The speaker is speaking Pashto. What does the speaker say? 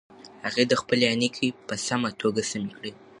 هغه خپلې عینکې په سمه توګه سمې کړې.